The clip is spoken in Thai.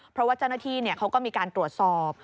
เพราะว่าเจ้าหน้าที่เขาก็มีการตรวจสอบ